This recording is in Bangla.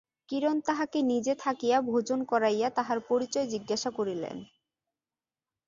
কিরণ তাহাকে নিজে থাকিয়া ভোজন করাইয়া তাহার পরিচয় জিজ্ঞাসা করিলেন।